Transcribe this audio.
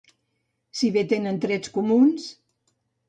si bé tenen trets comuns